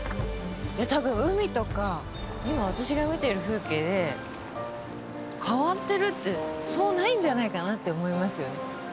たぶん海とか今私が見ている風景で変わってるってそうないんじゃないかなって思いますよね。